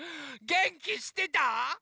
げんきしてた？